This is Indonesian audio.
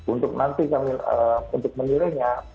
untuk nanti kami untuk menilainya